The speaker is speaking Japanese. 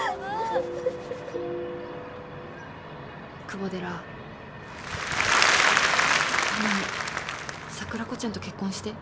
久保寺頼む桜子ちゃんと結婚して。